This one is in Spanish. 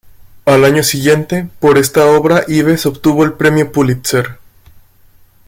Al año siguiente, por esta obra Ives obtuvo el Premio Pulitzer.